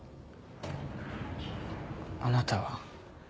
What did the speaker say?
あなたは。